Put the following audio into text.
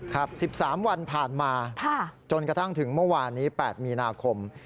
๑๓วันผ่านมาจนกระทั่งถึงเมื่อวานนี้๘มีนาคม